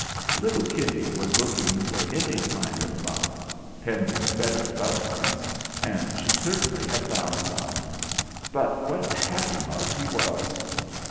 Little Kitty was looking for any kind of mug, pending better developments, and she certainly had found one; but what a happy mug he was!